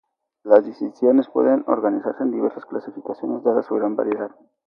Las distinciones pueden organizarse en diversas clasificaciones dada su gran variedad.